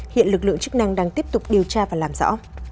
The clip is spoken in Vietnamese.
hiện lực lượng chức năng đang tiếp tục điều tra và làm rõ